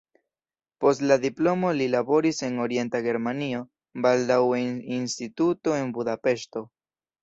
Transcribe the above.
Post la diplomo li laboris en Orienta Germanio, baldaŭe en instituto en Budapeŝto.